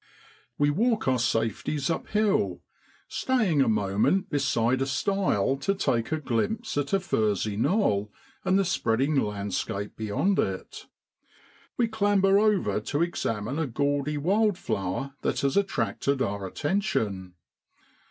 We walk our safeties uphill, staying a moment beside a stile to take a glimpse at a furzy knoll and the spreading landscape beyond it. We clamber over to examine a gaudy wild flower that has attracted our attention.